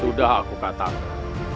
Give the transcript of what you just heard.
sudah aku katakan